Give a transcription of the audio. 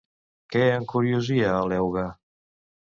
Què encuriosia a l'euga?